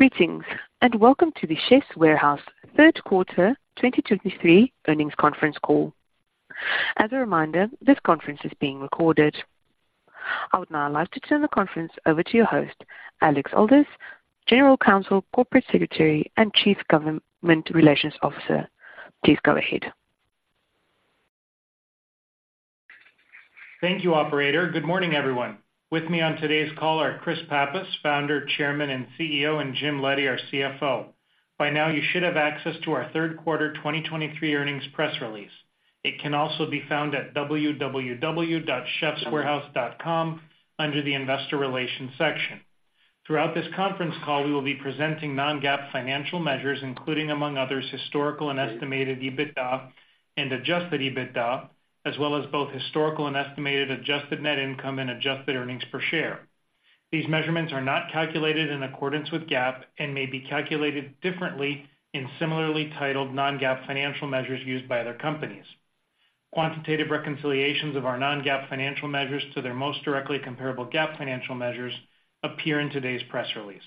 Greetings, and welcome to the Chefs' Warehouse third quarter 2023 earnings conference call. As a reminder, this conference is being recorded. I would now like to turn the conference over to your host, Alex Aldous, General Counsel, Corporate Secretary, and Chief Government Relations Officer. Please go ahead. Thank you, operator. Good morning, everyone. With me on today's call are Chris Pappas, Founder, Chairman, and CEO, and Jim Leddy, our CFO. By now, you should have access to our third quarter 2023 earnings press release. It can also be found at www.chefwarehouse.com under the Investor Relations section. Throughout this conference call, we will be presenting non-GAAP financial measures, including, among others, historical and estimated EBITDA and Adjusted EBITDA, as well as both historical and estimated adjusted net income and adjusted earnings per share. These measurements are not calculated in accordance with GAAP and may be calculated differently in similarly titled non-GAAP financial measures used by other companies. Quantitative reconciliations of our non-GAAP financial measures to their most directly comparable GAAP financial measures appear in today's press release.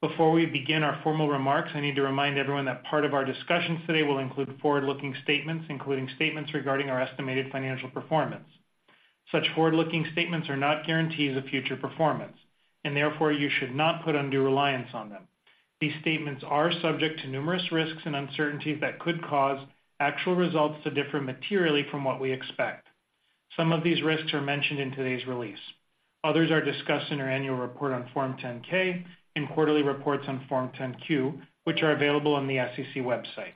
Before we begin our formal remarks, I need to remind everyone that part of our discussions today will include forward-looking statements, including statements regarding our estimated financial performance. Such forward-looking statements are not guarantees of future performance, and therefore you should not put undue reliance on them. These statements are subject to numerous risks and uncertainties that could cause actual results to differ materially from what we expect. Some of these risks are mentioned in today's release. Others are discussed in our annual report on Form 10-K and quarterly reports on Form 10-Q, which are available on the SEC website.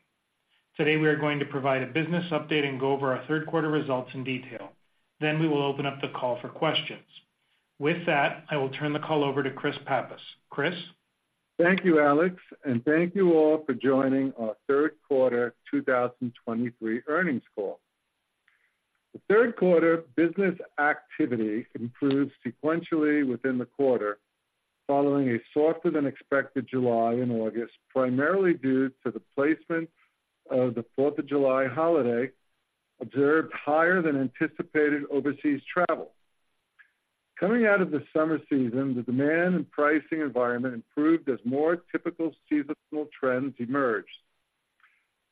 Today, we are going to provide a business update and go over our third quarter results in detail. Then we will open up the call for questions. With that, I will turn the call over to Chris Pappas. Chris? Thank you, Alex, and thank you all for joining our third quarter 2023 earnings call. The third quarter business activity improved sequentially within the quarter, following a softer than expected July and August, primarily due to the placement of the Fourth of July holiday, observed higher than anticipated overseas travel. Coming out of the summer season, the demand and pricing environment improved as more typical seasonal trends emerged.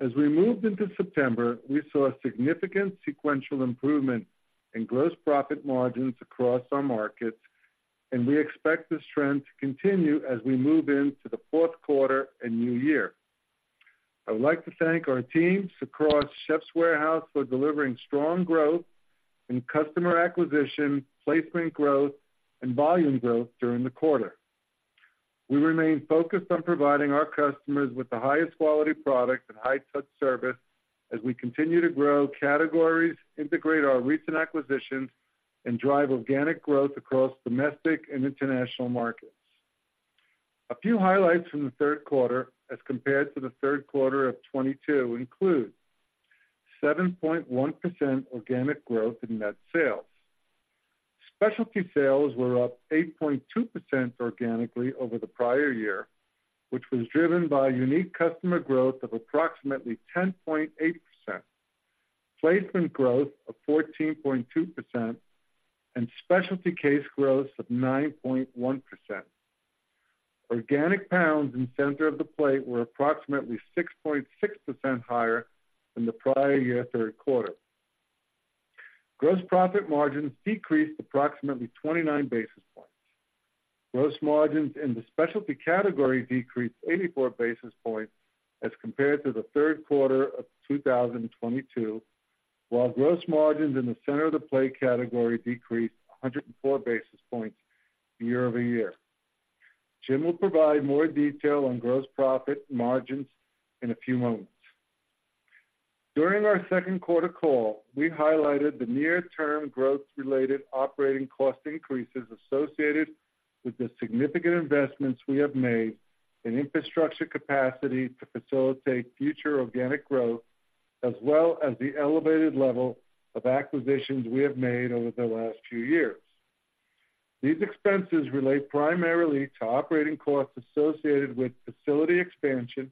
As we moved into September, we saw a significant sequential improvement in gross profit margins across our markets, and we expect this trend to continue as we move into the fourth quarter and new year. I would like to thank our teams across Chefs' Warehouse for delivering strong growth in customer acquisition, placement growth, and volume growth during the quarter. We remain focused on providing our customers with the highest quality products and high-touch service as we continue to grow categories, integrate our recent acquisitions, and drive organic growth across domestic and international markets. A few highlights from the third quarter as compared to the third quarter of 2022 include 7.1% organic growth in net sales. Specialty sales were up 8.2% organically over the prior year, which was driven by unique customer growth of approximately 10.8%, placement growth of 14.2%, and specialty case growth of 9.1%. Organic pounds in center of the plate were approximately 6.6% higher than the prior year third quarter. Gross profit margins decreased approximately 29 basis points. Gross margins in the specialty category decreased 84 basis points as compared to the third quarter of 2022, while gross margins in the center-of-the-plate category decreased 104 basis points year-over-year. Jim will provide more detail on gross profit margins in a few moments. During our second quarter call, we highlighted the near-term growth-related operating cost increases associated with the significant investments we have made in infrastructure capacity to facilitate future organic growth, as well as the elevated level of acquisitions we have made over the last few years. These expenses relate primarily to operating costs associated with facility expansion,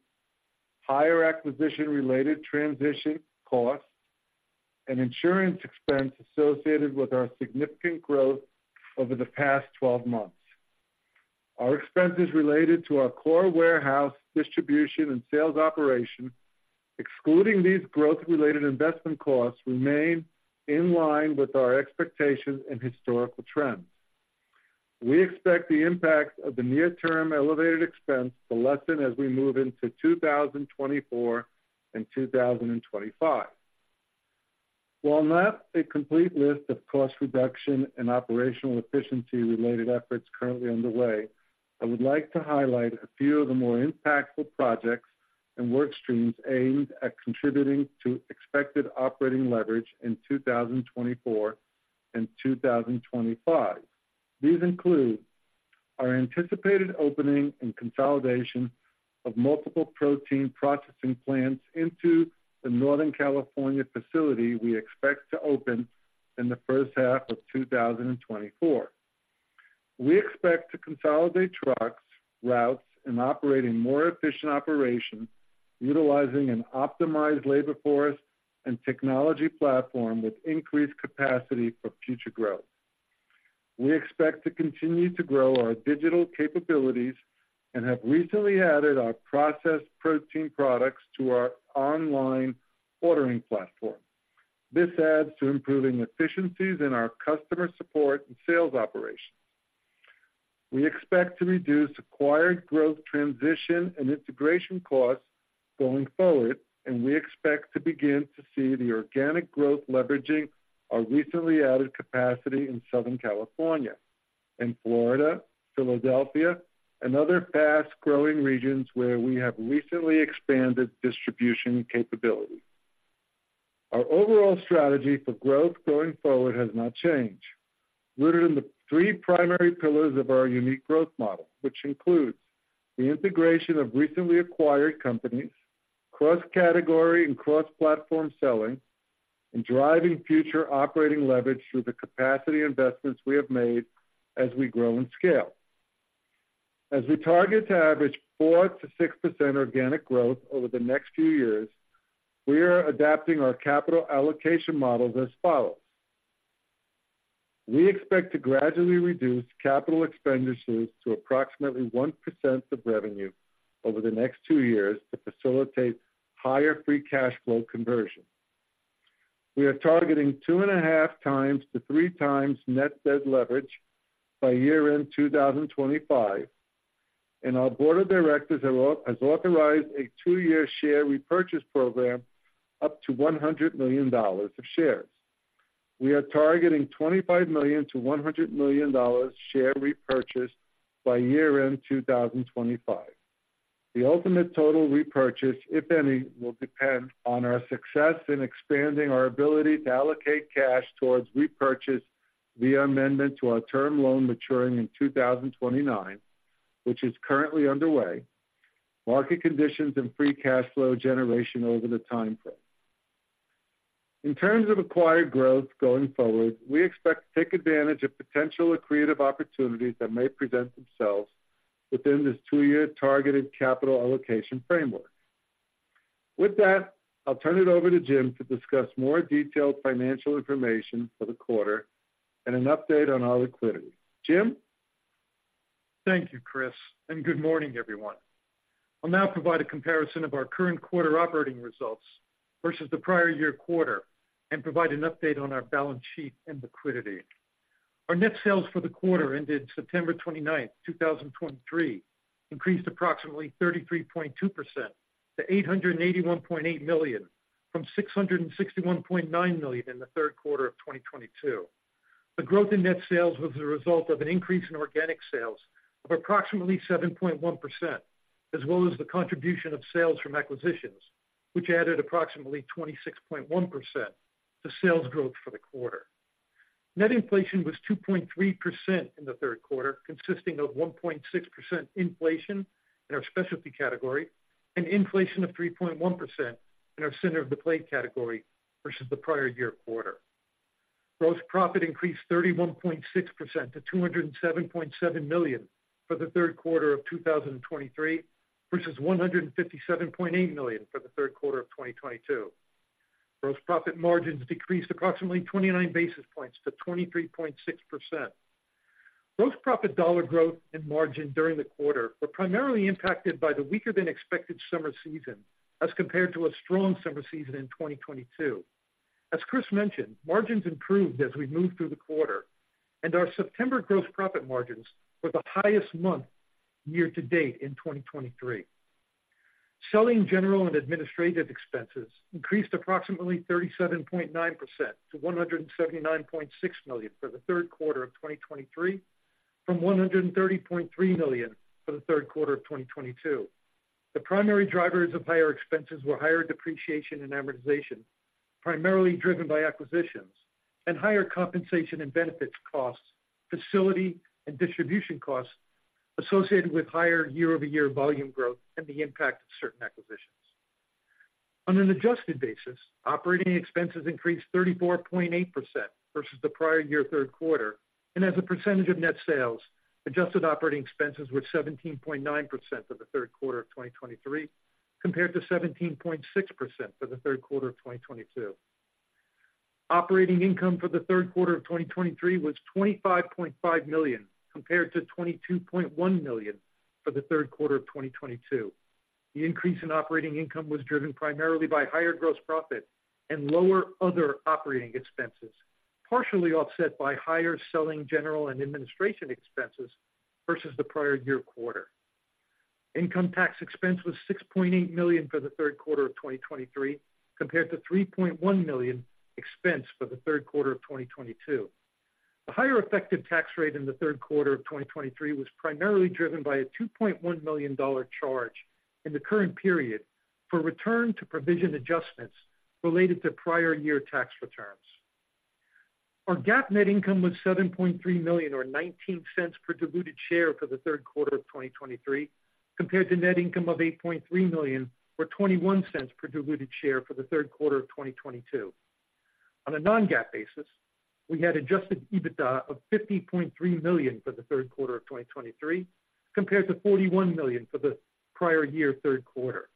higher acquisition-related transition costs, and insurance expense associated with our significant growth over the past 12 months. Our expenses related to our core warehouse, distribution, and sales operation, excluding these growth-related investment costs, remain in line with our expectations and historical trends. We expect the impact of the near term elevated expense to lessen as we move into 2024 and 2025. While not a complete list of cost reduction and operational efficiency related efforts currently underway, I would like to highlight a few of the more impactful projects and work streams aimed at contributing to expected operating leverage in 2024 and 2025. These include our anticipated opening and consolidation of multiple protein processing plants into the Northern California facility we expect to open in the first half of 2024. We expect to consolidate trucks, routes, and operating more efficient operations utilizing an optimized labor force and technology platform with increased capacity for future growth. We expect to continue to grow our digital capabilities and have recently added our processed protein products to our online ordering platform. This adds to improving efficiencies in our customer support and sales operations. We expect to reduce acquired growth transition and integration costs going forward, and we expect to begin to see the organic growth leveraging our recently added capacity in Southern California, and Florida, Philadelphia, and other fast-growing regions where we have recently expanded distribution capability. Our overall strategy for growth going forward has not changed, rooted in the three primary pillars of our unique growth model, which includes the integration of recently acquired companies, cross-category and cross-platform selling, and driving future operating leverage through the capacity investments we have made as we grow and scale. As we target to average 4%-6% organic growth over the next few years, we are adapting our capital allocation models as follows: We expect to gradually reduce capital expenditures to approximately 1% of revenue over the next two years to facilitate higher free cash flow conversion. We are targeting 2.5x-3x net debt leverage by year-end 2025, and our board of directors has authorized a two-year share repurchase program up to $100 million of shares. We are targeting $25 million-$100 million share repurchase by year-end 2025. The ultimate total repurchase, if any, will depend on our success in expanding our ability to allocate cash towards repurchase via amendment to our term loan maturing in 2029, which is currently underway, market conditions and free cash flow generation over the timeframe. In terms of acquired growth going forward, we expect to take advantage of potential accretive opportunities that may present themselves within this two-year targeted capital allocation framework. With that, I'll turn it over to Jim to discuss more detailed financial information for the quarter and an update on our liquidity. Jim? Thank you, Chris, and good morning, everyone. I'll now provide a comparison of our current quarter operating results versus the prior-year quarter and provide an update on our balance sheet and liquidity. Our net sales for the quarter ended September 29th, 2023, increased approximately 33.2% to $881.8 million, from $661.9 million in the third quarter of 2022. The growth in net sales was the result of an increase in organic sales of approximately 7.1%, as well as the contribution of sales from acquisitions, which added approximately 26.1% to sales growth for the quarter. Net inflation was 2.3% in the third quarter, consisting of 1.6% inflation in our specialty category and inflation of 3.1% in our center of the plate category versus the prior year quarter. Gross profit increased 31.6% to $207.7 million for the third quarter of 2023, versus $157.8 million for the third quarter of 2022. Gross profit margins decreased approximately 29 basis points to 23.6%. Gross profit dollar growth and margin during the quarter were primarily impacted by the weaker than expected summer season as compared to a strong summer season in 2022. As Chris mentioned, margins improved as we moved through the quarter, and our September gross profit margins were the highest month year to date in 2023. Selling, general and administrative expenses increased approximately 37.9% to $179.6 million for the third quarter of 2023, from $130.3 million for the third quarter of 2022. The primary drivers of higher expenses were higher depreciation and amortization, primarily driven by acquisitions and higher compensation and benefits costs, facility and distribution costs associated with higher year-over-year volume growth and the impact of certain acquisitions. On an adjusted basis, operating expenses increased 34.8% versus the prior year third quarter, and as a percentage of net sales, adjusted operating expenses were 17.9% for the third quarter of 2023, compared to 17.6% for the third quarter of 2022. Operating income for the third quarter of 2023 was $25.5 million, compared to $22.1 million for the third quarter of 2022. The increase in operating income was driven primarily by higher gross profit and lower other operating expenses, partially offset by higher selling general and administration expenses versus the prior year quarter. Income tax expense was $6.8 million for the third quarter of 2023, compared to $3.1 million expense for the third quarter of 2022. The higher effective tax rate in the third quarter of 2023 was primarily driven by a $2.1 million charge in the current period for return to provision adjustments related to prior year tax returns. Our GAAP net income was $7.3 million, or $0.19 per diluted share for the third quarter of 2023, compared to net income of $8.3 million, or $0.21 per diluted share for the third quarter of 2022. On a non-GAAP basis, we had Adjusted EBITDA of $50.3 million for the third quarter of 2023, compared to $41 million for the prior year third quarter....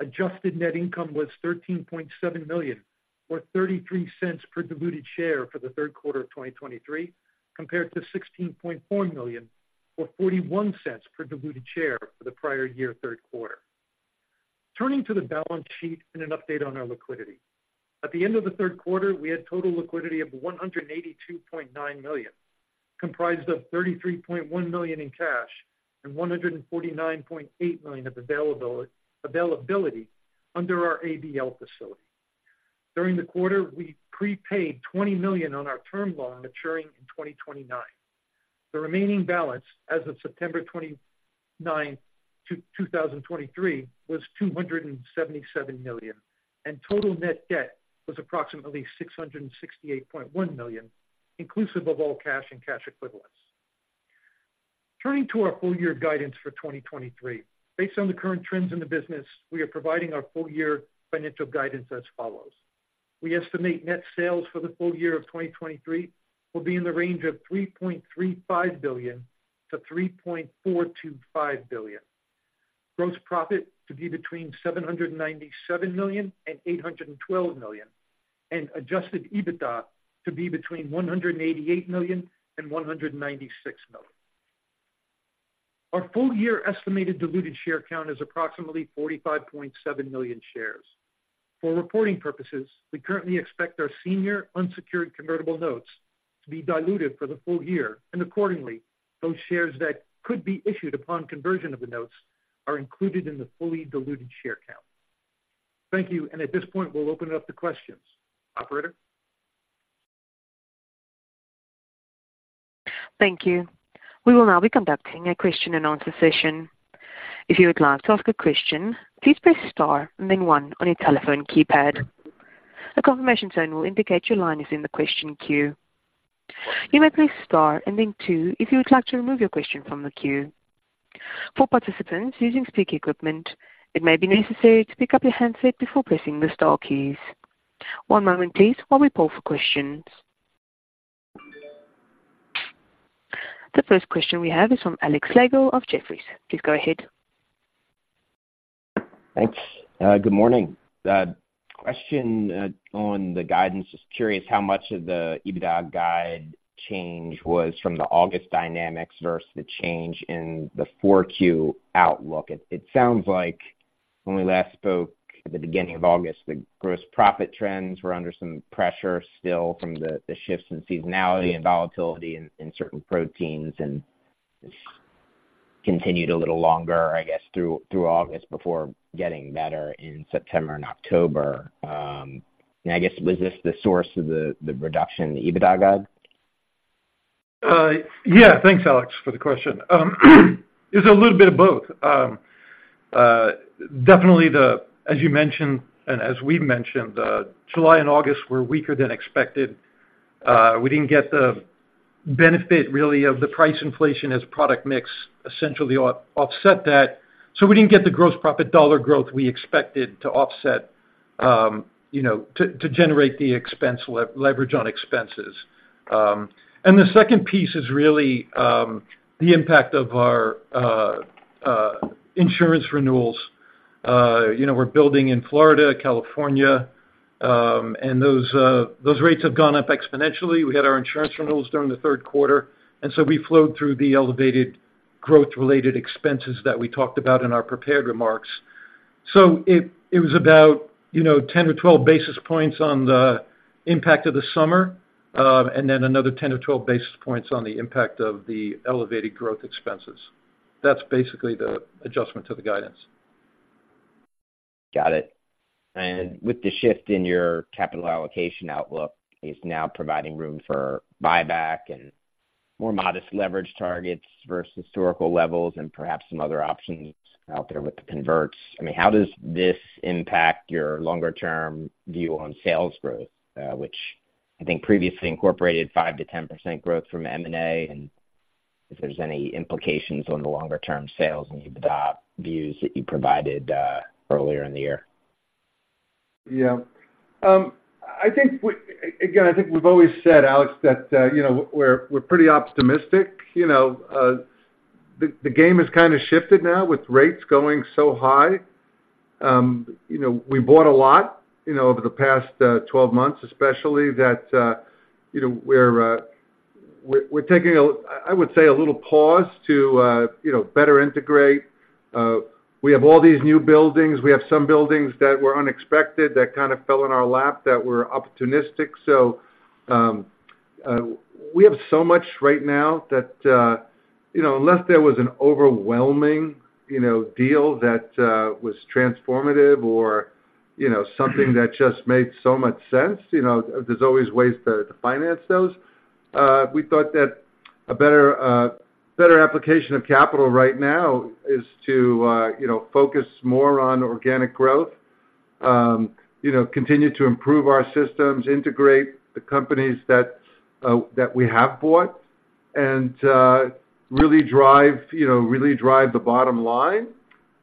Adjusted net income was $13.7 million, or $0.33 per diluted share for the third quarter of 2023, compared to $16.4 million, or $0.41 per diluted share for the prior year, third quarter. Turning to the balance sheet and an update on our liquidity. At the end of the third quarter, we had total liquidity of $182.9 million, comprised of $33.1 million in cash and $149.8 million of availability under our ABL facility. During the quarter, we prepaid $20 million on our term loan, maturing in 2029. The remaining balance as of September 29, 2023, was $277 million, and total net debt was approximately $668.1 million, inclusive of all cash and cash equivalents. Turning to our full year guidance for 2023. Based on the current trends in the business, we are providing our full year financial guidance as follows: We estimate net sales for the full year of 2023 will be in the range of $3.35 billion-$3.425 billion. Gross profit to be between $797 million and $812 million, and Adjusted EBITDA to be between $188 million and $196 million. Our full-year estimated diluted share count is approximately 45.7 million shares. For reporting purposes, we currently expect our senior unsecured convertible notes to be diluted for the full year, and accordingly, those shares that could be issued upon conversion of the notes are included in the fully diluted share count. Thank you, and at this point, we'll open it up to questions. Operator? Thank you. We will now be conducting a question and answer session. If you would like to ask a question, please press Star and then one on your telephone keypad. A confirmation tone will indicate your line is in the question queue. You may press Star and then two, if you would like to remove your question from the queue. For participants using speaker equipment, it may be necessary to pick up your handset before pressing the star keys. One moment, please, while we pull for questions. The first question we have is from Alex Slagle of Jefferies. Please go ahead. Thanks. Good morning. Question on the guidance. Just curious how much of the EBITDA guide change was from the August dynamics versus the change in the 4Q outlook? It sounds like when we last spoke at the beginning of August, the gross profit trends were under some pressure still from the shifts in seasonality and volatility in certain proteins, and this continued a little longer, I guess, through August before getting better in September and October. And I guess, was this the source of the reduction in the EBITDA guide? Yeah, thanks, Alex, for the question. It's a little bit of both. Definitely, as you mentioned and as we mentioned, July and August were weaker than expected. We didn't get the benefit really of the price inflation as product mix, essentially offset that. So we didn't get the gross profit dollar growth we expected to offset, you know, to generate the expense leverage on expenses. And the second piece is really the impact of our insurance renewals. You know, we're building in Florida, California, and those rates have gone up exponentially. We had our insurance renewals during the third quarter, and so we flowed through the elevated growth-related expenses that we talked about in our prepared remarks. So it was about, you know, 10-12 basis points on the impact of the summer, and then another 10-12 basis points on the impact of the elevated growth expenses. That's basically the adjustment to the guidance. Got it. With the shift in your capital allocation outlook, is now providing room for buyback and more modest leverage targets versus historical levels and perhaps some other options out there with the converts. I mean, how does this impact your longer-term view on sales growth, which I think previously incorporated 5%-10% growth from M&A, and if there's any implications on the longer-term sales and EBITDA views that you provided, earlier in the year? Yeah. I think we've always said, Alex, that, you know, we're pretty optimistic. You know, the game has kind of shifted now with rates going so high. You know, we bought a lot, you know, over the past 12 months, especially that, you know, we're taking a... I would say, a little pause to, you know, better integrate. We have all these new buildings. We have some buildings that were unexpected, that kind of fell in our lap, that were opportunistic. So, we have so much right now that, you know, unless there was an overwhelming, you know, deal that was transformative or, you know, something that just made so much sense, you know, there's always ways to finance those. We thought that a better, better application of capital right now is to, you know, focus more on organic growth. You know, continue to improve our systems, integrate the companies that, that we have bought, and really drive, you know, really drive the bottom line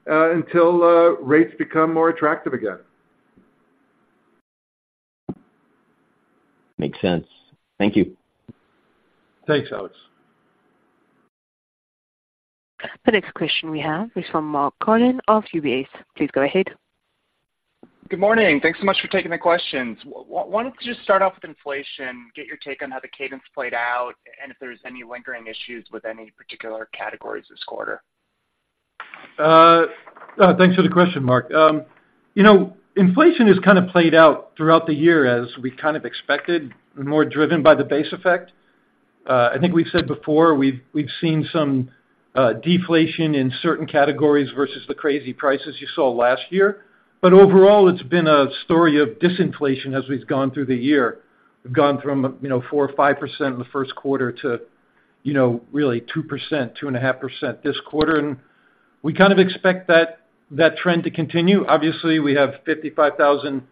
until rates become more attractive again.... Makes sense. Thank you. Thanks, Alex. The next question we have is from Mark Carden of UBS. Please go ahead. Good morning. Thanks so much for taking the questions. Why don't you just start off with inflation, get your take on how the cadence played out, and if there's any lingering issues with any particular categories this quarter? Thanks for the question, Mark. You know, inflation has kind of played out throughout the year as we kind of expected, more driven by the base effect. I think we've said before, we've seen some deflation in certain categories versus the crazy prices you saw last year. But overall, it's been a story of disinflation as we've gone through the year. We've gone from, you know, 4% or 5% in the first quarter to, you know, really 2%, 2.5% this quarter, and we kind of expect that trend to continue. Obviously, we have 55,000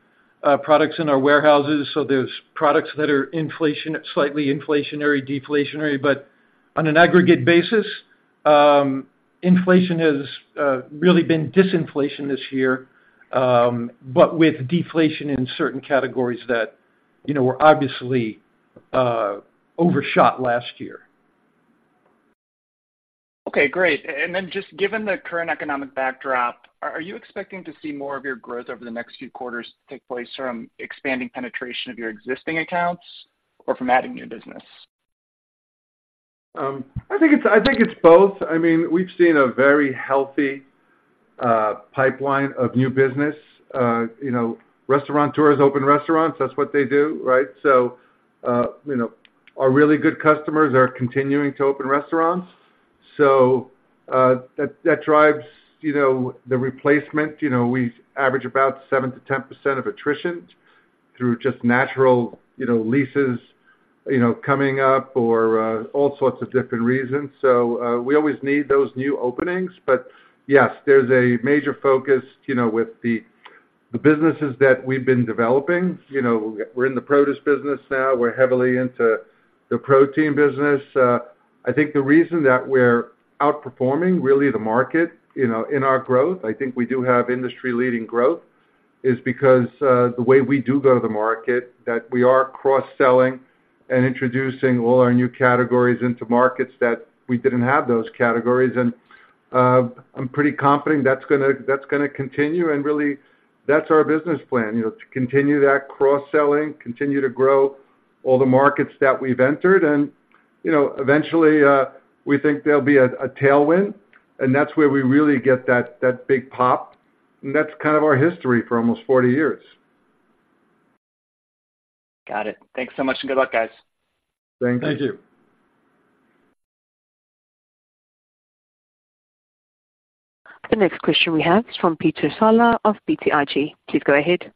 products in our warehouses, so there's products that are inflation-- slightly inflationary, deflationary, but on an aggregate basis, inflation has really been disinflation this year, but with deflation in certain categories that, you know, were obviously overshot last year. Okay, great. And then just given the current economic backdrop, are you expecting to see more of your growth over the next few quarters take place from expanding penetration of your existing accounts or from adding new business? I think it's, I think it's both. I mean, we've seen a very healthy pipeline of new business. You know, restauranteurs open restaurants, that's what they do, right? So, you know, our really good customers are continuing to open restaurants. So, that, that drives, you know, the replacement. You know, we average about 7%-10% of attrition through just natural, you know, leases, you know, coming up or, all sorts of different reasons. So, we always need those new openings. But yes, there's a major focus, you know, with the, the businesses that we've been developing. You know, we're in the produce business now. We're heavily into the protein business. I think the reason that we're outperforming, really, the market, you know, in our growth, I think we do have industry-leading growth, is because, the way we do go to the market, that we are cross-selling and introducing all our new categories into markets that we didn't have those categories. And, I'm pretty confident that's gonna, that's gonna continue, and really, that's our business plan, you know, to continue that cross-selling, continue to grow all the markets that we've entered. And, you know, eventually, we think there'll be a, a tailwind, and that's where we really get that, that big pop, and that's kind of our history for almost 40 years. Got it. Thank you so much, and good luck, guys. Thank you. The next question we have is from Peter Sala of BTIG. Please go ahead.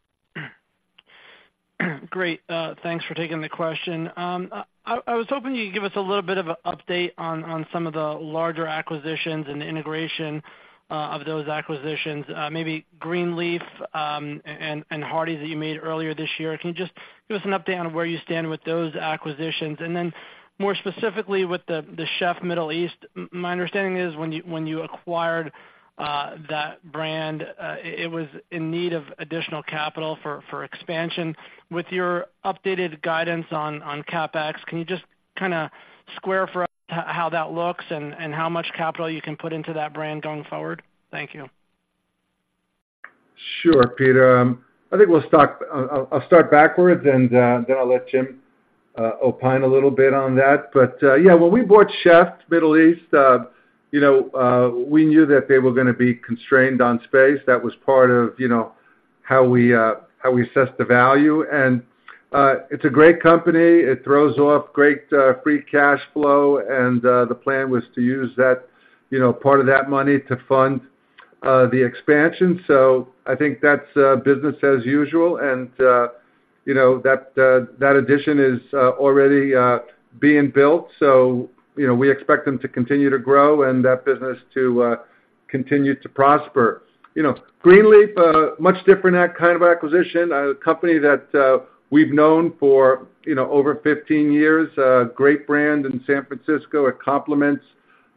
Great, thanks for taking the question. I was hoping you'd give us a little bit of an update on some of the larger acquisitions and the integration of those acquisitions, maybe Greenleaf and Hardie's that you made earlier this year. Can you just give us an update on where you stand with those acquisitions? And then, more specifically, with the Chef Middle East, my understanding is when you acquired that brand, it was in need of additional capital for expansion. With your updated guidance on CapEx, can you just kinda square for us how that looks and how much capital you can put into that brand going forward? Thank you. Sure, Peter. I think we'll start. I'll start backwards, and then I'll let Jim opine a little bit on that. But yeah, when we bought Chef Middle East, you know, we knew that they were gonna be constrained on space. That was part of, you know, how we assessed the value. And it's a great company. It throws off great free cash flow, and the plan was to use that, you know, part of that money to fund the expansion. So I think that's business as usual, and you know, that addition is already being built, so you know, we expect them to continue to grow and that business to continue to prosper. You know, Greenleaf, much different a kind of acquisition, a company that, we've known for, you know, over 15 years, great brand in San Francisco. It complements,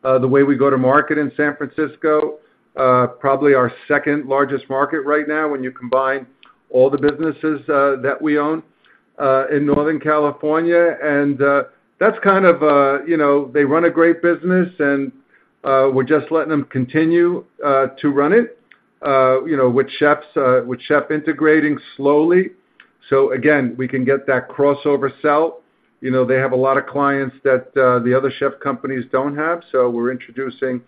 the way we go to market in San Francisco. Probably our second-largest market right now, when you combine all the businesses, that we own, in Northern California. And, that's kind of, you know, they run a great business, and, we're just letting them continue, to run it, you know, with Chefs', with Chef integrating slowly. So again, we can get that crossover sell. You know, they have a lot of clients that, the other Chef companies don't have, so we're introducing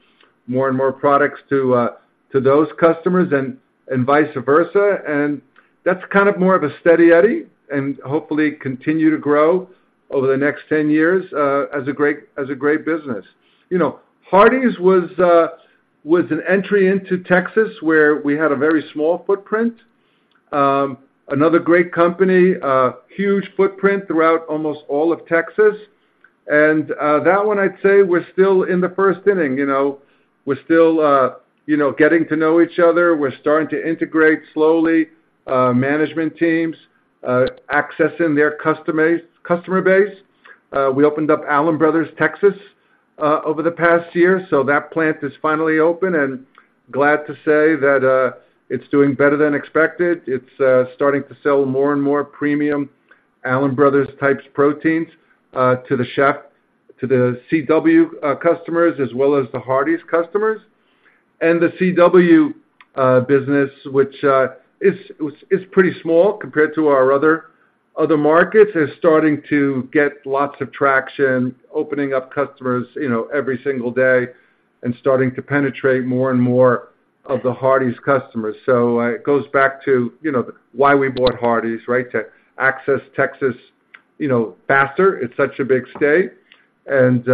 more and more products to, to those customers and, and vice versa. That's kind of more of a steady eddy and hopefully continue to grow over the next 10 years, as a great, as a great business. You know, Hardie's was an entry into Texas, where we had a very small footprint. Another great company, a huge footprint throughout almost all of Texas. And that one, I'd say we're still in the first inning, you know? We're still, you know, getting to know each other. We're starting to integrate slowly, management teams, accessing their customer base, customer base. We opened up Allen Brothers Texas over the past year, so that plant is finally open, and glad to say that, it's doing better than expected. It's starting to sell more and more premium Allen Brothers types proteins to the chef, to the CW customers, as well as the Hardie's customers. And the CW business, which is pretty small compared to our other markets, is starting to get lots of traction, opening up customers, you know, every single day and starting to penetrate more and more of the Hardie's customers. So it goes back to, you know, why we bought Hardie's, right? To access Texas, you know, faster. It's such a big state, and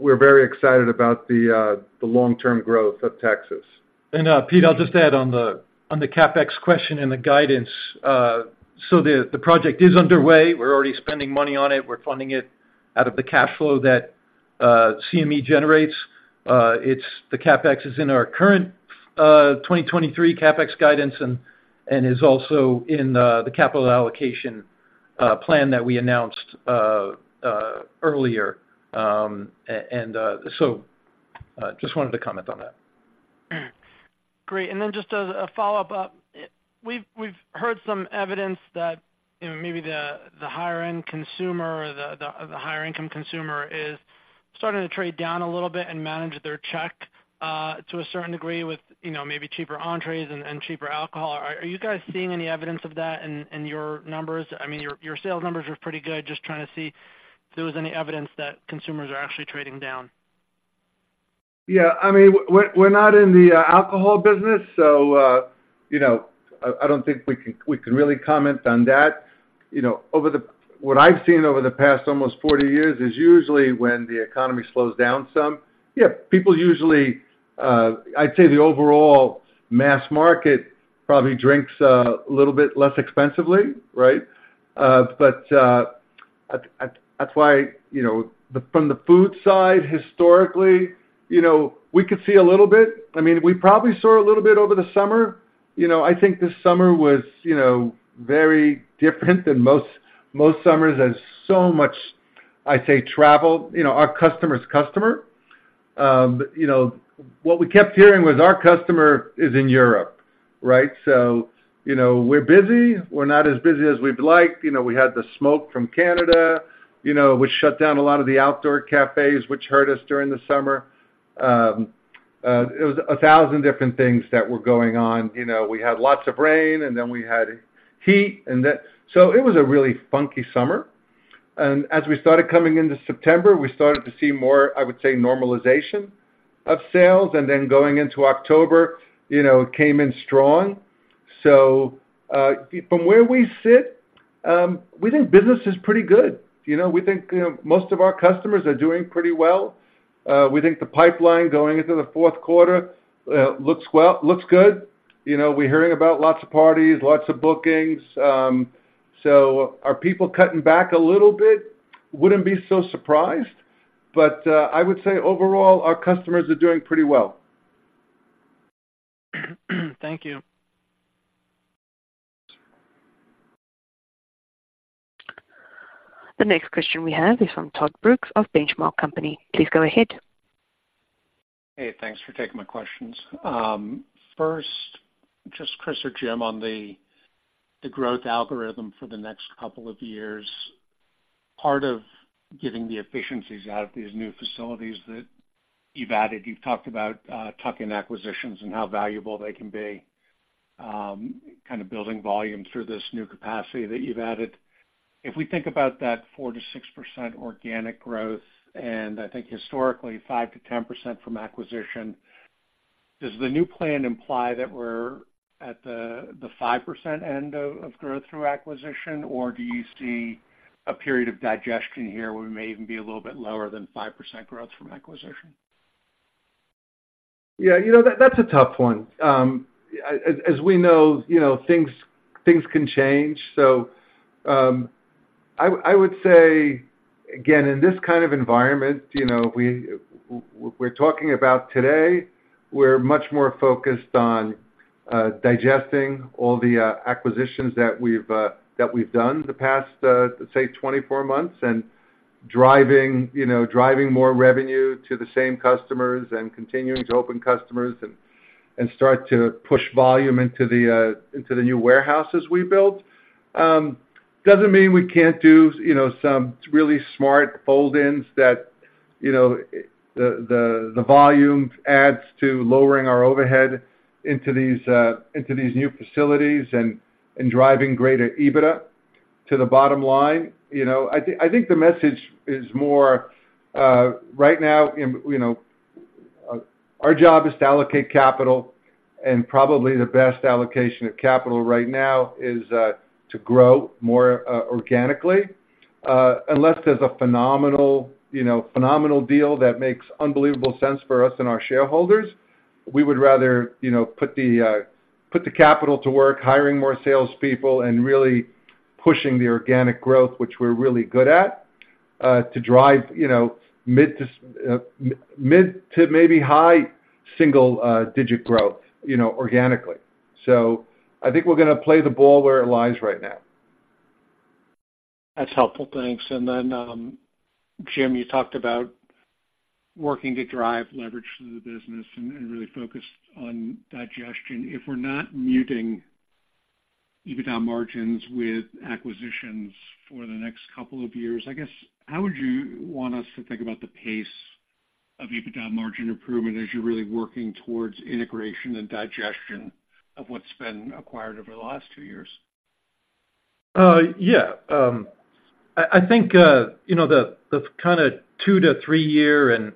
we're very excited about the long-term growth of Texas. And, Pete, I'll just add on the CapEx question and the guidance. So the project is underway. We're already spending money on it. We're funding it out of the cash flow that CME generates. It's the CapEx is in our current 2023 CapEx guidance and is also in the capital allocation plan that we announced earlier. And so just wanted to comment on that. Great. And then just a follow-up. We've heard some evidence that, you know, maybe the higher end consumer or the higher income consumer is starting to trade down a little bit and manage their check to a certain degree with, you know, maybe cheaper entrees and cheaper alcohol. Are you guys seeing any evidence of that in your numbers? I mean, your sales numbers are pretty good. Just trying to see if there was any evidence that consumers are actually trading down. Yeah. I mean, we're not in the alcohol business, so, you know, I don't think we can really comment on that. You know, what I've seen over the past almost 40 years is usually when the economy slows down some. Yeah, people usually, I'd say the overall mass market probably drinks a little bit less expensively, right? But that's why, you know, from the food side, historically, you know, we could see a little bit. I mean, we probably saw a little bit over the summer. You know, I think this summer was, you know, very different than most summers. There's so much, I'd say, travel. You know, our customer's customer. You know, what we kept hearing was our customer is in Europe, right? So, you know, we're busy. We're not as busy as we'd like. You know, we had the smoke from Canada, you know, which shut down a lot of the outdoor cafes, which hurt us during the summer. It was a thousand different things that were going on. You know, we had lots of rain, and then we had heat, and then... So it was a really funky summer. And as we started coming into September, we started to see more, I would say, normalization of sales, and then going into October, you know, it came in strong. So, from where we sit, we think business is pretty good. You know, we think, you know, most of our customers are doing pretty well. We think the pipeline going into the fourth quarter looks well, looks good. You know, we're hearing about lots of parties, lots of bookings. So are people cutting back a little bit? Wouldn't be so surprised, but I would say overall, our customers are doing pretty well. Thank you. The next question we have is from Todd Brooks of Benchmark Company. Please go ahead. Hey, thanks for taking my questions. First, just Chris or Jim, on the growth algorithm for the next couple of years. Part of getting the efficiencies out of these new facilities that you've added, you've talked about tuck-in acquisitions and how valuable they can be, kind of building volume through this new capacity that you've added. If we think about that 4%-6% organic growth, and I think historically, 5%-10% from acquisition, does the new plan imply that we're at the 5% end of growth through acquisition, or do you see a period of digestion here where we may even be a little bit lower than 5% growth from acquisition? Yeah, you know, that's a tough one. As we know, you know, things can change. So, I would say, again, in this kind of environment, you know, we're talking about today, we're much more focused on digesting all the acquisitions that we've done the past, say, 24 months, and driving, you know, driving more revenue to the same customers and continuing to open customers and start to push volume into the new warehouses we built. Doesn't mean we can't do, you know, some really smart fold-ins that, you know, the volume adds to lowering our overhead into these new facilities and driving greater EBITDA to the bottom line, you know? I think, I think the message is more right now, you know, our job is to allocate capital, and probably the best allocation of capital right now is to grow more organically. Unless there's a phenomenal, you know, phenomenal deal that makes unbelievable sense for us and our shareholders, we would rather, you know, put the capital to work, hiring more salespeople and really pushing the organic growth, which we're really good at, to drive, you know, mid to maybe high single-digit growth, you know, organically. So I think we're gonna play the ball where it lies right now. ...That's helpful. Thanks. And then, Jim, you talked about working to drive leverage through the business and really focus on digestion. If we're not diluting EBITDA margins with acquisitions for the next couple of years, I guess, how would you want us to think about the pace of EBITDA margin improvement as you're really working towards integration and digestion of what's been acquired over the last two years? Yeah. I think, you know, the kind of 2-3-year and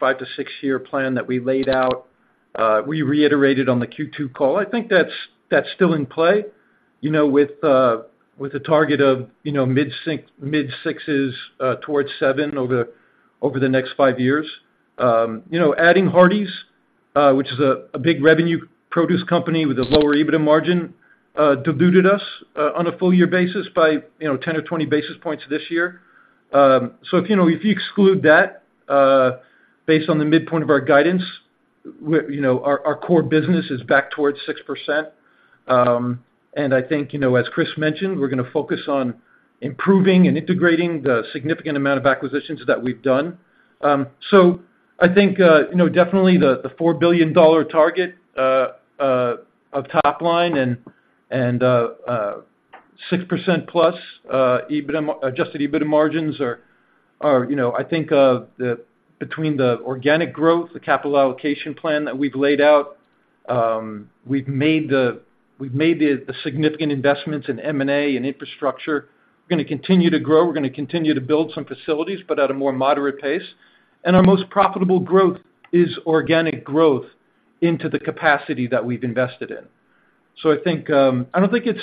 5-6-year plan that we laid out, we reiterated on the Q2 call. I think that's still in play, you know, with a target of, you know, mid-sixes towards seven over the next five years. You know, adding Hardie's, which is a big revenue produce company with a lower EBITDA margin, diluted us on a full year basis by, you know, 10 or 20 basis points this year. So if you exclude that, based on the midpoint of our guidance, you know, our core business is back towards 6%. And I think, you know, as Chris mentioned, we're gonna focus on improving and integrating the significant amount of acquisitions that we've done. So I think, you know, definitely the $4 billion target of top line and 6%+ EBITDA, Adjusted EBITDA margins are, you know... I think between the organic growth, the capital allocation plan that we've laid out, we've made the significant investments in M&A and infrastructure. We're gonna continue to grow. We're gonna continue to build some facilities, but at a more moderate pace. And our most profitable growth is organic growth into the capacity that we've invested in. So I think, I don't think it's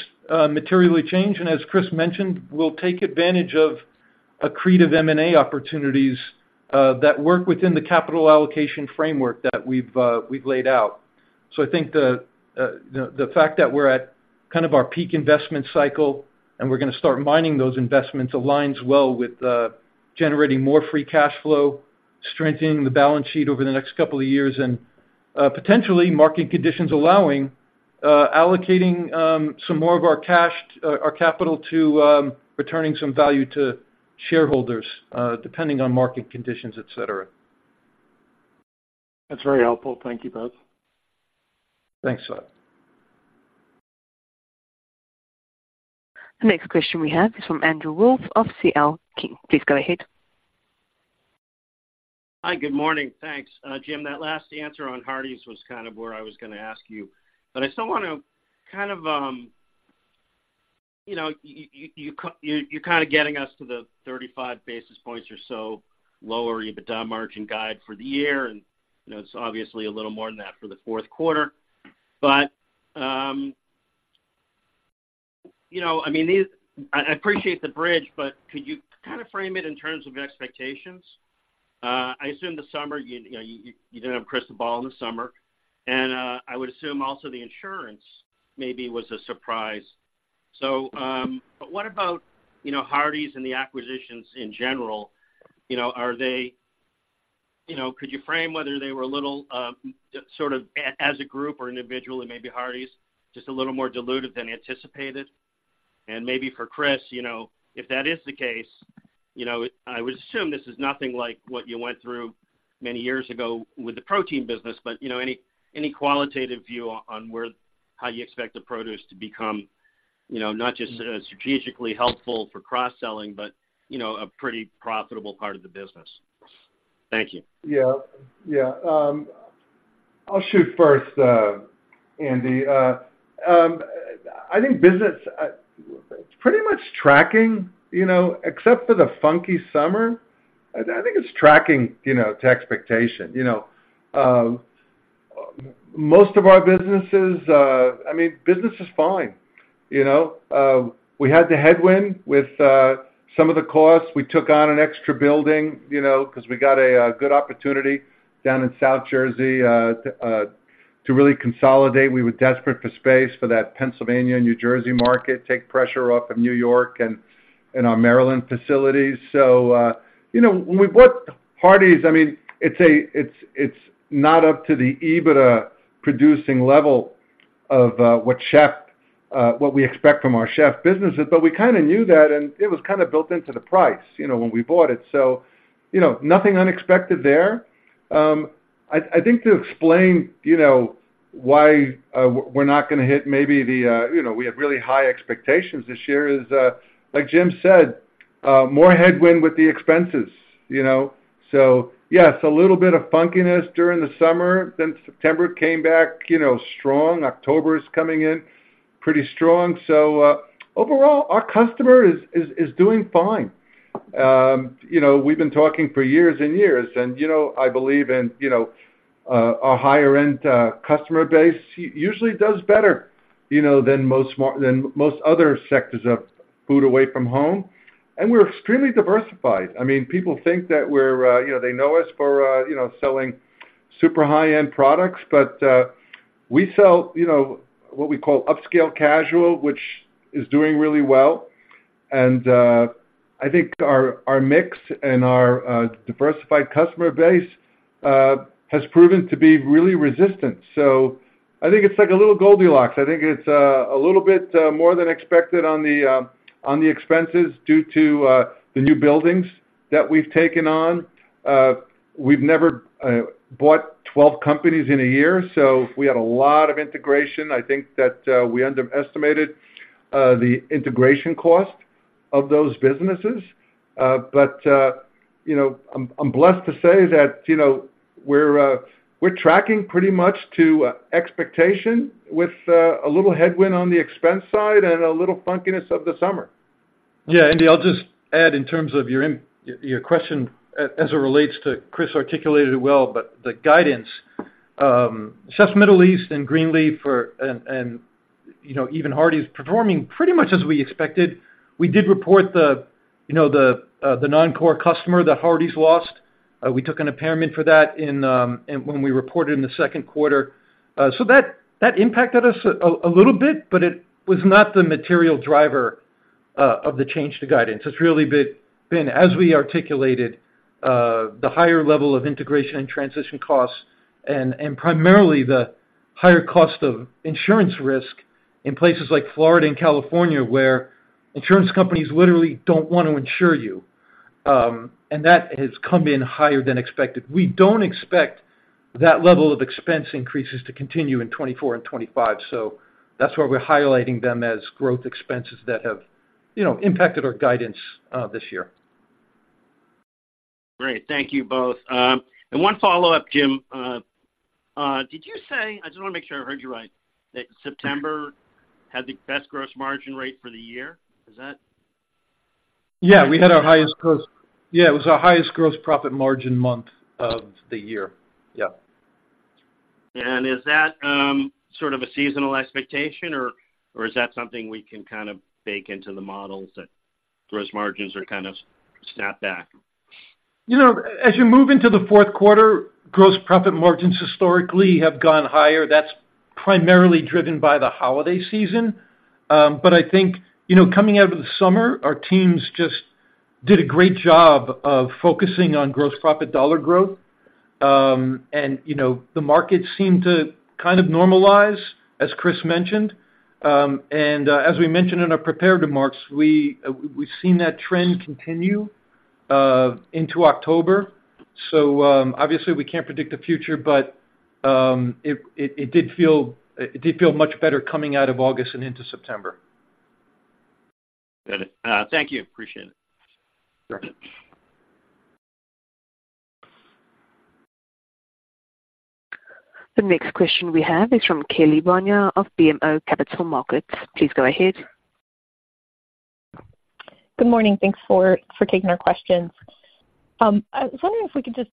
materially changed, and as Chris mentioned, we'll take advantage of accretive M&A opportunities that work within the capital allocation framework that we've laid out. So I think the fact that we're at kind of our peak investment cycle, and we're gonna start mining those investments, aligns well with generating more free cash flow, strengthening the balance sheet over the next couple of years, and potentially, market conditions allowing, allocating some more of our cash, our capital to returning some value to shareholders, depending on market conditions, et cetera. That's very helpful. Thank you both. Thanks, Scott. The next question we have is from Andrew Wolf of CL King. Please go ahead. Hi, good morning, thanks. Jim, that last answer on Hardie's was kind of where I was gonna ask you, but I still want to kind of, you know, you're kind of getting us to the 35 basis points or so lower EBITDA margin guide for the year, and, you know, it's obviously a little more than that for the fourth quarter. But, you know, I mean, these—I appreciate the bridge, but could you kind of frame it in terms of expectations? I assume the summer, you know, you didn't have a crystal ball in the summer, and, I would assume also the insurance maybe was a surprise. So, but what about, you know, Hardie's and the acquisitions in general? You know, are they, you know, could you frame whether they were a little sort of as a group or individually, maybe Hardie's, just a little more diluted than anticipated? And maybe for Chris, you know, if that is the case, you know, I would assume this is nothing like what you went through many years ago with the protein business, but, you know, any qualitative view on where, how you expect the produce to become, you know, not just strategically helpful for cross-selling, but, you know, a pretty profitable part of the business? Thank you. Yeah. Yeah. I'll shoot first, Andy. I think business, it's pretty much tracking, you know, except for the funky summer. I think it's tracking, you know, to expectation. You know, most of our businesses, I mean, business is fine, you know? We had the headwind with some of the costs. We took on an extra building, you know, 'cause we got a good opportunity down in South Jersey to really consolidate. We were desperate for space for that Pennsylvania, New Jersey market, take pressure off of New York and our Maryland facilities. So, you know, when we bought Hardie's, I mean, it's not up to the EBITDA producing level of what Chefs', what we expect from our Chefs' businesses, but we kind a knew that, and it was kind a built into the price, you know, when we bought it. So, you know, nothing unexpected there. I think to explain, you know, why we're not gonna hit maybe the, you know, we had really high expectations this year is, like Jim said, more headwind with the expenses, you know? So yes, a little bit of funkiness during the summer, then September came back, you know, strong. October is coming in pretty strong. So, overall, our customer is doing fine. You know, we've been talking for years and years, and, you know, I believe in, you know, our higher end customer base. He usually does better, you know, than most other sectors of food away from home, and we're extremely diversified. I mean, people think that we're, you know, they know us for, you know, selling super high-end products, but, we sell, you know, what we call upscale casual, which is doing really well, and I think our mix and our diversified customer base has proven to be really resistant. So I think it's like a little Goldilocks. I think it's a little bit more than expected on the expenses due to the new buildings that we've taken on. We've never bought 12 companies in a year, so we had a lot of integration. I think that we underestimated the integration cost of those businesses. But you know, I'm blessed to say that, you know, we're tracking pretty much to expectation with a little headwind on the expense side and a little funkiness of the summer. Yeah, Andy, I'll just add in terms of your your question as it relates to Chris articulated it well, but the guidance. Chef Middle East and Greenleaf are, and you know, even Hardie's is performing pretty much as we expected. We did report the you know, the non-core customer that Hardie's lost. We took an impairment for that in when we reported in the second quarter. So that impacted us a little bit, but it was not the material driver of the change to guidance. It's really been as we articulated the higher level of integration and transition costs, and primarily the higher cost of insurance risk in places like Florida and California, where insurance companies literally don't want to insure you. And that has come in higher than expected. We don't expect that level of expense increases to continue in 2024 and 2025, so that's why we're highlighting them as growth expenses that have, you know, impacted our guidance this year. Great. Thank you both. And one follow-up, Jim. Did you say, I just wanna make sure I heard you right, that September had the best gross margin rate for the year? Is that- Yeah, it was our highest gross profit margin month of the year. Yeah. Is that sort of a seasonal expectation, or is that something we can kind of bake into the models, that gross margins are kind of snap back? You know, as you move into the fourth quarter, gross profit margins historically have gone higher. That's primarily driven by the holiday season. But I think, you know, coming out of the summer, our teams just did a great job of focusing on gross profit dollar growth. And, you know, the market seemed to kind of normalize, as Chris mentioned. And as we mentioned in our prepared remarks, we've seen that trend continue into October. So, obviously, we can't predict the future, but it did feel much better coming out of August and into September. Got it. Thank you. Appreciate it. Sure. The next question we have is from Kelly Bania of BMO Capital Markets. Please go ahead. Good morning. Thanks for taking our questions. I was wondering if we could just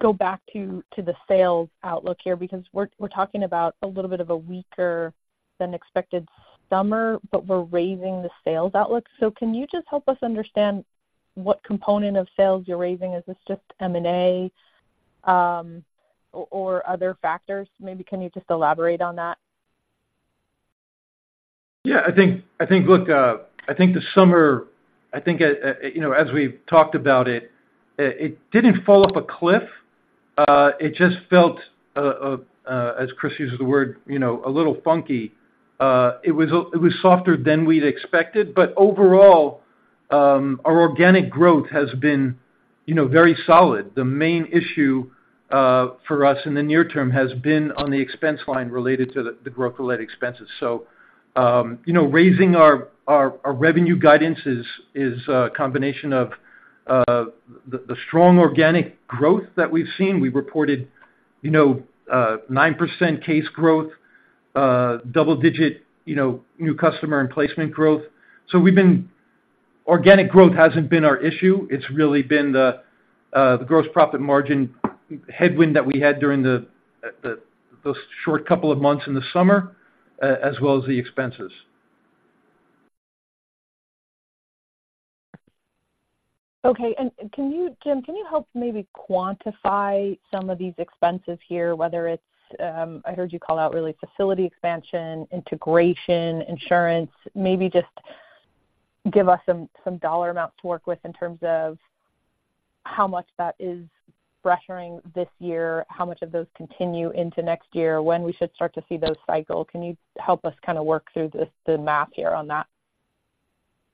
go back to the sales outlook here, because we're talking about a little bit of a weaker than expected summer, but we're raising the sales outlook. So can you just help us understand what component of sales you're raising? Is this just M&A, or other factors, maybe? Can you just elaborate on that? Yeah, I think, look, I think the summer, I think, you know, as we've talked about it, it didn't fall off a cliff. It just felt, as Chris used the word, you know, a little funky. It was softer than we'd expected, but overall, our organic growth has been, you know, very solid. The main issue for us in the near term has been on the expense line related to the growth-related expenses. So, you know, raising our revenue guidance is a combination of the strong organic growth that we've seen. We've reported, you know, 9% case growth, double digit, you know, new customer and placement growth. So we've been... Organic growth hasn't been our issue, it's really been the gross profit margin headwind that we had during those short couple of months in the summer, as well as the expenses. Okay. And can you, Jim, can you help maybe quantify some of these expenses here, whether it's, I heard you call out, really, facility expansion, integration, insurance. Maybe just give us some, some dollar amounts to work with in terms of how much that is pressuring this year, how much of those continue into next year, when we should start to see those cycle. Can you help us kind a work through this, the math here on that?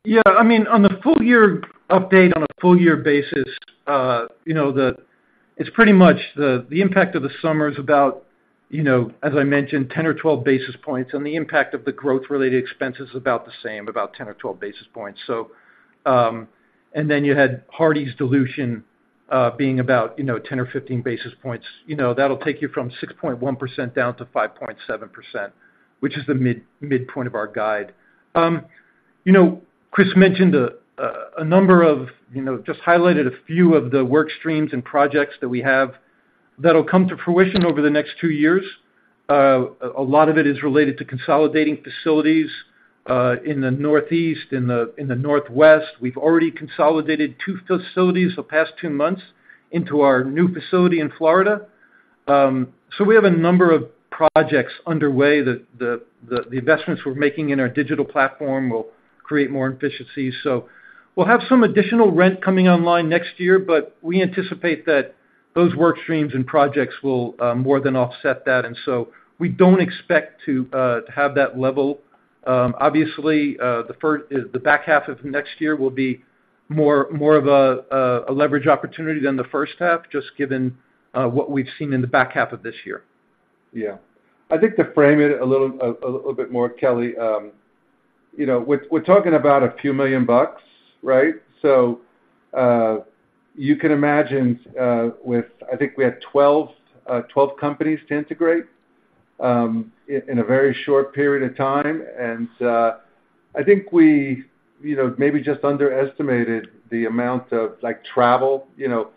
Yeah. I mean, on the full year update, on a full year basis, you know, it's pretty much the impact of the summer is about, you know, as I mentioned, 10 or 12 basis points, and the impact of the growth-related expense is about the same, about 10 or 12 basis points. So, and then you had Hardie's dilution, being about, you know, 10 or 15 basis points. You know, that'll take you from 6.1% down to 5.7%, which is the midpoint of our guide. You know, Chris mentioned a number of, you know, just highlighted a few of the work streams and projects that we have that'll come to fruition over the next two years. A lot of it is related to consolidating facilities, in the Northeast, in the Northwest. We've already consolidated two facilities the past two months into our new facility in Florida.... So we have a number of projects underway that the investments we're making in our digital platform will create more efficiencies. So we'll have some additional rent coming online next year, but we anticipate that those work streams and projects will more than offset that, and so we don't expect to have that level. Obviously, the back half of next year will be more of a leverage opportunity than the first half, just given what we've seen in the back half of this year. Yeah. I think to frame it a little bit more, Kelly, you know, we're talking about $a few million, right? So, you can imagine, with, I think we had 12, 12 companies to integrate, in, in a very short period of time, and, I think we, you know, maybe just underestimated the amount of, like, travel, you know.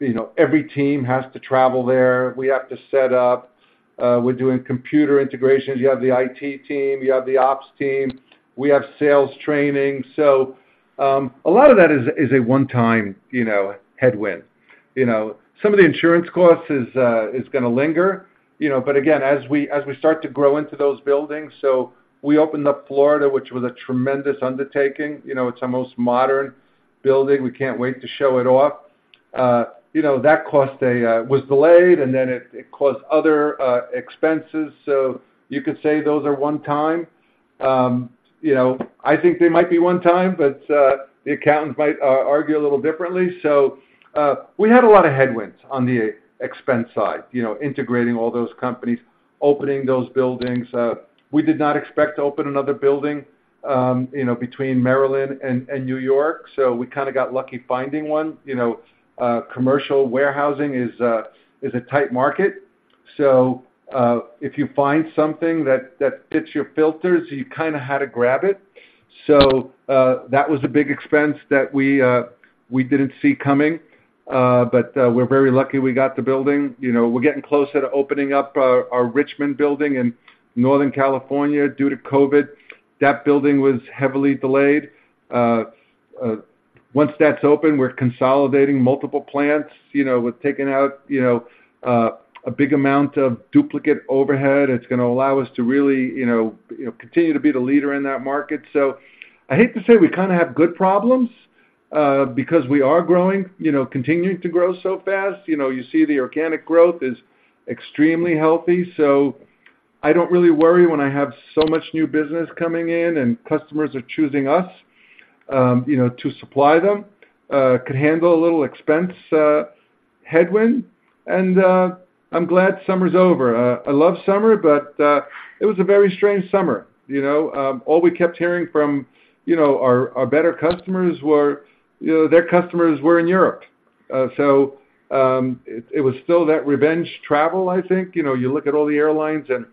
You know, every team has to travel there. We have to set up, we're doing computer integrations. You have the IT team, you have the ops team, we have sales training. So, a lot of that is, is a one-time, you know, headwind. You know, some of the insurance costs is, is gonna linger, you know, but again, as we, as we start to grow into those buildings. So we opened up Florida, which was a tremendous undertaking. You know, it's our most modern building. We can't wait to show it off. You know, that cost a-- was delayed, and then it caused other expenses, so you could say those are one time. You know, I think they might be one time, but the accountants might argue a little differently. So, we had a lot of headwinds on the expense side, you know, integrating all those companies, opening those buildings. We did not expect to open another building, you know, between Maryland and New York, so we kind of got lucky finding one. You know, commercial warehousing is a tight market, so if you find something that fits your filters, you kind of had to grab it. So, that was a big expense that we didn't see coming, but we're very lucky we got the building. You know, we're getting closer to opening up our Richmond building in Northern California. Due to COVID, that building was heavily delayed. Once that's open, we're consolidating multiple plants. You know, we're taking out, you know, a big amount of duplicate overhead. It's gonna allow us to really, you know, you know, continue to be the leader in that market. So I hate to say we kind of have good problems, because we are growing, you know, continuing to grow so fast. You know, you see the organic growth is extremely healthy, so I don't really worry when I have so much new business coming in and customers are choosing us, you know, to supply them. Could handle a little expense, headwind, and, I'm glad summer's over. I love summer, but, it was a very strange summer, you know? All we kept hearing from, you know, our better customers were, you know, their customers were in Europe. It was still that revenge travel, I think. You know, you look at all the airlines and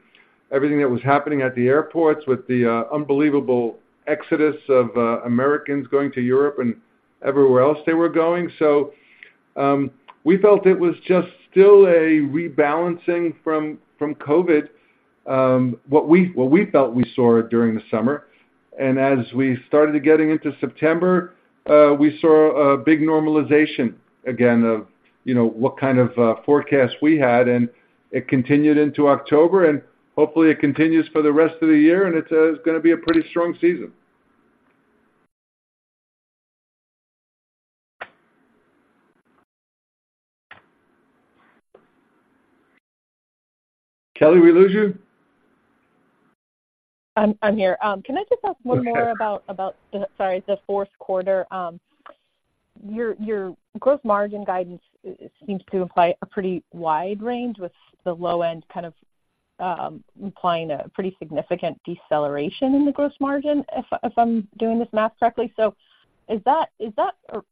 everything that was happening at the airports with the unbelievable exodus of Americans going to Europe and everywhere else they were going. We felt it was just still a rebalancing from COVID, what we felt we saw during the summer. As we started getting into September, we saw a big normalization again of, you know, what kind of forecast we had, and it continued into October, and hopefully it continues for the rest of the year, and it's gonna be a pretty strong season. Kelly, we lose you? I'm here. Can I just ask one more- Okay. Sorry, the fourth quarter. Your gross margin guidance seems to imply a pretty wide range, with the low end kind of implying a pretty significant deceleration in the gross margin, if I'm doing this math correctly. So is that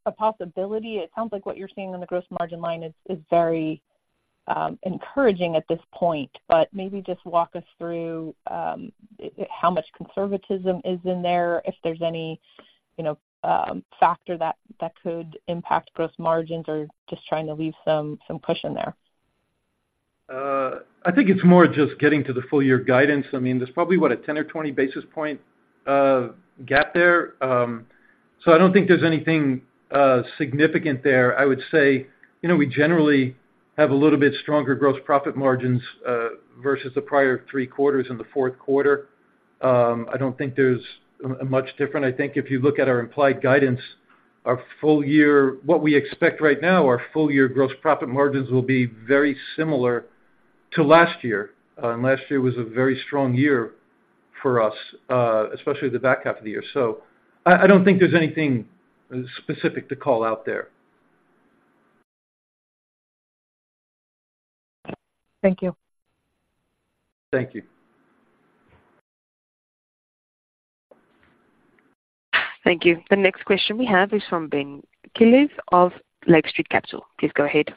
a possibility? It sounds like what you're seeing on the gross margin line is very encouraging at this point, but maybe just walk us through how much conservatism is in there, if there's any, you know, factor that could impact gross margins or just trying to leave some cushion there. I think it's more just getting to the full year guidance. I mean, there's probably, what, a 10 or 20 basis point gap there, so I don't think there's anything significant there. I would say, you know, we generally have a little bit stronger gross profit margins versus the prior three quarters in the fourth quarter. I don't think there's much different. I think if you look at our implied guidance, our full year-- what we expect right now, our full year gross profit margins will be very similar to last year, and last year was a very strong year for us, especially the back half of the year. So I don't think there's anything specific to call out there. Thank you. Thank you. Thank you. The next question we have is from Ben Klieve of Lake Street Capital. Please go ahead.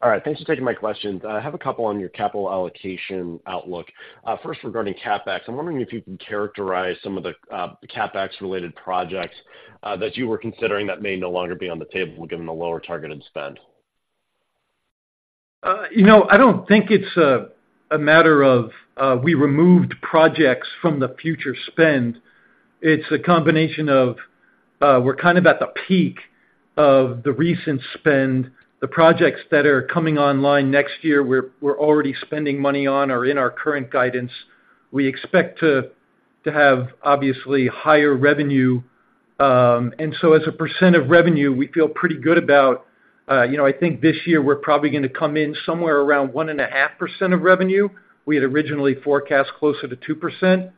All right. Thanks for taking my questions. I have a couple on your capital allocation outlook. First, regarding CapEx, I'm wondering if you can characterize some of the CapEx-related projects that you were considering that may no longer be on the table given the lower targeted spend? You know, I don't think it's a matter of we removed projects from the future spend. It's a combination of-... we're kind of at the peak of the recent spend. The projects that are coming online next year, we're already spending money on, are in our current guidance. We expect to have, obviously, higher revenue. And so as a percent of revenue, we feel pretty good about, you know, I think this year we're probably gonna come in somewhere around 1.5% of revenue. We had originally forecast closer to 2%.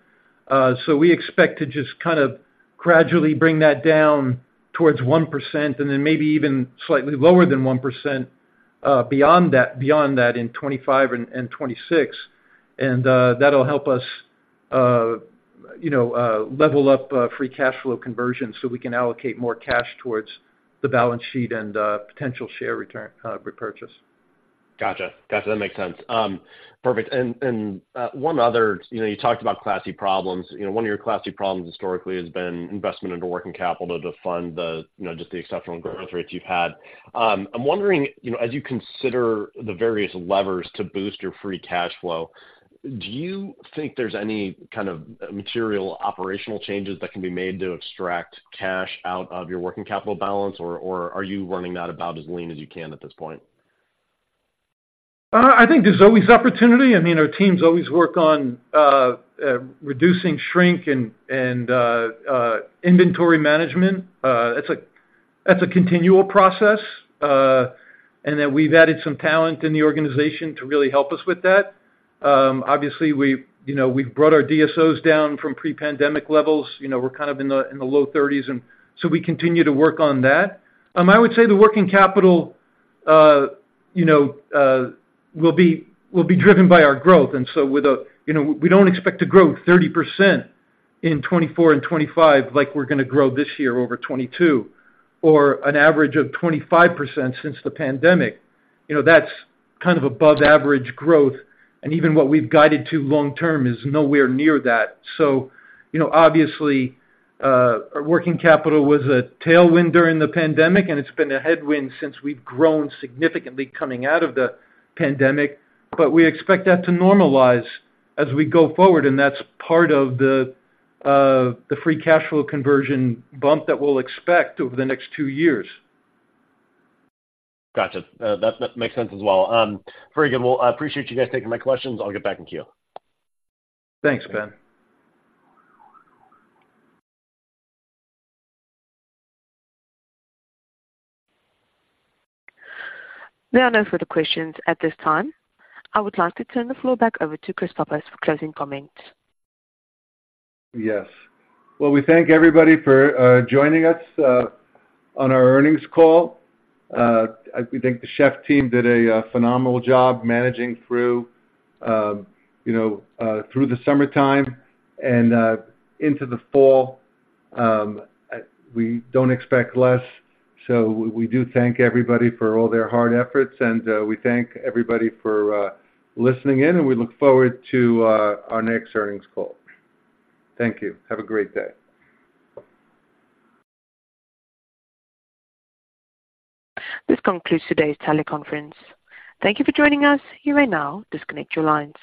So we expect to just kind of gradually bring that down towards 1% and then maybe even slightly lower than 1%, beyond that in 2025 and 2026. And that'll help us, you know, level up free cash flow conversion, so we can allocate more cash towards the balance sheet and potential share repurchase. Gotcha. Gotcha, that makes sense. Perfect. And, and, one other, you know, you talked about classy problems. You know, one of your classy problems historically has been investment into working capital to fund the, you know, just the exceptional growth rates you've had. I'm wondering, you know, as you consider the various levers to boost your free cash flow, do you think there's any kind of material operational changes that can be made to extract cash out of your working capital balance, or, or are you running that about as lean as you can at this point? I think there's always opportunity. I mean, our teams always work on reducing shrink and inventory management. That's a continual process, and that we've added some talent in the organization to really help us with that. Obviously, we've, you know, we've brought our DSOs down from pre-pandemic levels. You know, we're kind of in the low thirties, and so we continue to work on that. I would say the working capital, you know, will be driven by our growth, and so you know, we don't expect to grow 30% in 2024 and 2025, like we're gonna grow this year over 2022, or an average of 25% since the pandemic. You know, that's kind of above average growth, and even what we've guided to long term is nowhere near that. So, you know, obviously, our working capital was a tailwind during the pandemic, and it's been a headwind since we've grown significantly coming out of the pandemic. But we expect that to normalize as we go forward, and that's part of the, the free cash flow conversion bump that we'll expect over the next 2 years. Gotcha. That makes sense as well. Very good. Well, I appreciate you guys taking my questions. I'll get back in queue. Thanks, Ben. There are no further questions at this time. I would like to turn the floor back over to Chris Pappas for closing comments. Yes. Well, we thank everybody for joining us on our earnings call. I think the Chefs' team did a phenomenal job managing through, you know, through the summertime and into the fall. We don't expect less, so we do thank everybody for all their hard efforts, and we thank everybody for listening in, and we look forward to our next earnings call. Thank you. Have a great day. This concludes today's teleconference. Thank you for joining us. You may now disconnect your lines.